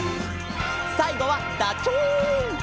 さいごはダチョウ！